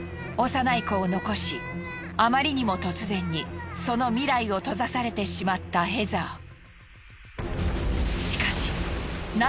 幼い子を残しあまりにも突然にその未来を閉ざされてしまったヘザー。